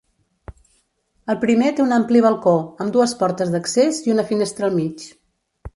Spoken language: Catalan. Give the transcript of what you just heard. El primer té un ampli balcó, amb dues portes d'accés i una finestra al mig.